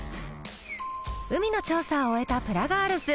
海の調査を終えたプラガールズ。